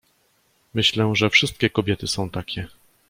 "Myślę, że wszystkie kobiety są takie."